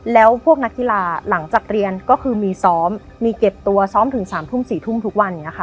แล้วพวกนักกีฬาหลังจากเรียนก็คือมีซ้อมมีเก็บตัวซ้อมถึง๓ทุ่ม๔ทุ่มทุกวันอย่างนี้ค่ะ